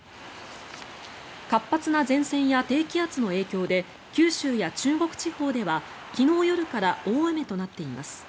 活発な前線や低気圧の影響で九州や中国地方では昨日夜から大雨となっています。